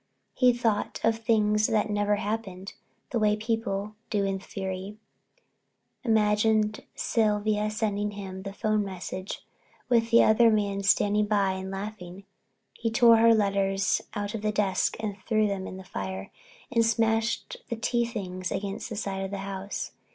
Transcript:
He thought of things that never happened, the way people do in a fury—imagined Sylvia sending him the phone message with the other man standing by and laughing. He tore her letters out of the desk and threw them in the fire and smashed the tea things against the side of the house.